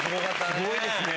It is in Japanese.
すごいですね。